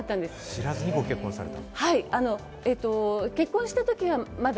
知らずにご結婚された？